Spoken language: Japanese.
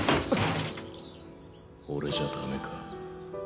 俺じゃダメか？